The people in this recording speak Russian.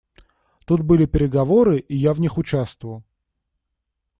Тут были переговоры, и я в них участвовал.